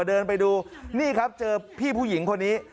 เดินไปดูนี่ครับเจอพี่ผู้หญิงคนนี้